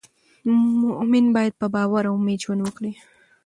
مؤمن باید په باور او امید ژوند وکړي.